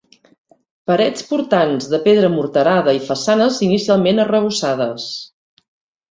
Parets portants de pedra morterada i façanes inicialment arrebossades.